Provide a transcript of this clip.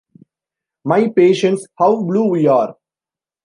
My patience, how blue we are!